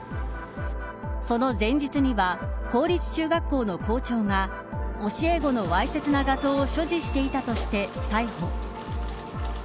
その前日には公立中学校の校長が教え子のわいせつな画像を所持していたとして逮捕。